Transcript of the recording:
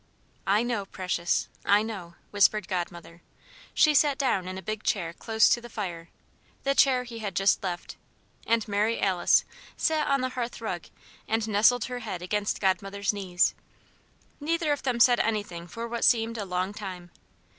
"I know, Precious I know," whispered Godmother. She sat down in a big chair close to the fire the chair he had just left and Mary Alice sat on the hearth rug and nestled her head against Godmother's knees. Neither of them said anything for what seemed a long time.